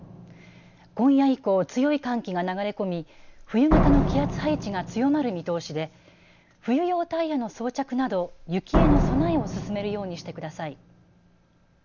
今夜以降、強い寒気が流れ込み冬型の気圧配置が強まる見通しで冬用タイヤの装着など雪への備えを進めるようにしてください。